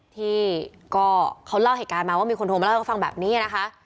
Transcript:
ที่ก็เขาเล่าเหตุการณ์มาว่ามีคนโทรมาเล่าให้เขาฟังแบบนี้นะคะ